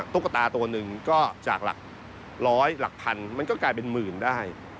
ตุ๊กตาตัวหนึ่งก็จากหลักร้อยหลักพันมันก็กลายเป็นหมื่นได้